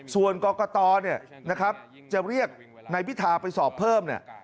ส่วนกรกตรจะเรียกในพิธาไปสอบเพิ่ม